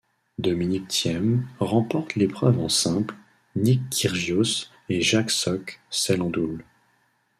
Dominic Thiem remporte l'épreuve en simple, Nick Kyrgios et Jack Sock celle en double.